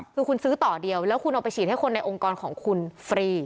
คือคุณซื้อต่อเดียวแล้วคุณเอาไปฉีดให้คนในองค์กรของคุณฟรี